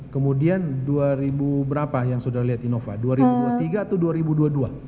kemudian dua ribu berapa yang saudara lihat innova dua ribu dua puluh tiga atau dua ribu dua puluh dua